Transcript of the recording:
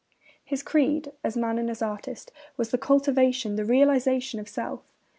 His creed, as man and as artist, was the cultivation, the realisation of self.